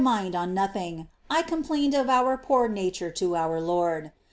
mind on nothing, I complained of our poor nature to our Lord.